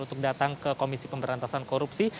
untuk datang ke komisi pemberantasan korupsi